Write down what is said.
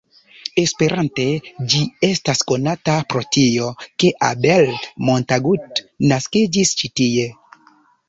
Esperante, ĝi estas konata pro tio, ke Abel Montagut naskiĝis ĉi tie.